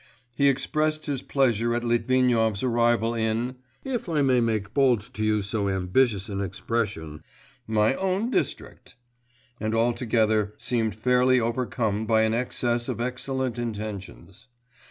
He expressed his pleasure at Litvinov's arrival in 'if I may make bold to use so ambitious an expression, my own district,' and altogether seemed fairly overcome by an excess of excellent intentions.